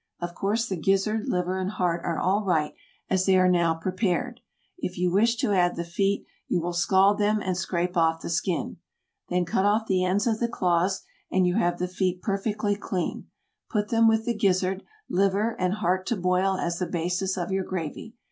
Of course the gizzard, liver and heart are all right as they are now prepared. If you wish to add the feet, you will scald them and scrape off the skin. Then cut off the ends of the claws, and you have the feet perfectly clean; put them with the gizzard, liver and heart to boil as the basis of your gravy.